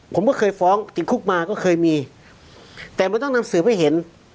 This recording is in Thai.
ผมก็เคยฟ้องติดคุกมาก็เคยมีแต่มันต้องนำสืบให้เห็น